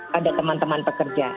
pada teman teman pekerja